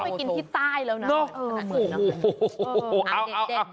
นี่นึกว่าไปกินที่ใต้แล้วนะเนาะเหมือนนะ